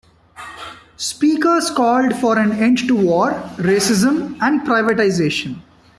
Speakers called for an end to war, racism and privatisation.